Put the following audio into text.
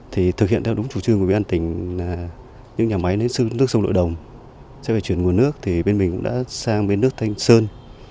thì thực hiện theo đúng chủ trương của bên tỉnh là những nhà máy nước sông nội đồng sẽ phải chuyển nguồn nước thì bên mình cũng đã sang bên nước thanh sơn